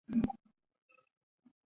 改进的耒有两个尖头或有省力曲柄。